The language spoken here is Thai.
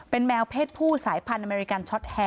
เป็นแมวเพศผู้สายพันธุ์อเมริกัน